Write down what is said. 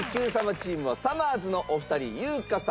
チームはさまぁずのお二人優香さん